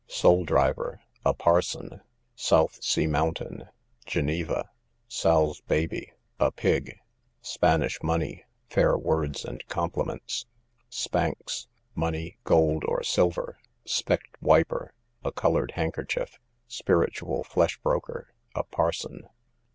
Soul driver, a parson. South sea mountain, Geneva. Sow's baby, a pig. Spanish money, fair words and compliments. Spanks, money, gold or silver. Specked wiper, a coloured handkerchief. Spiritual flesh broker, a parson.